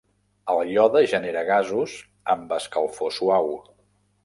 El iode genera gasos amb escalfor suau.